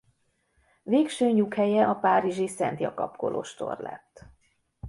Végső nyughelyre a párizsi Szent Jakab kolostor lett.